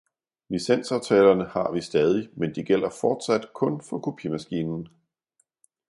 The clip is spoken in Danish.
Licensaftalerne har vi stadig, men de gælder fortsat kun for kopimaskinen.